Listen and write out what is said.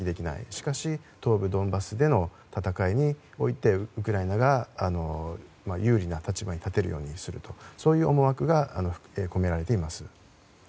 しかし東部ドンバスでの戦いにおいてウクライナが有利な立場に立てるようにするというそういう思惑が込められています。